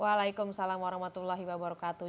waalaikumsalam warahmatullahi wabarakatuh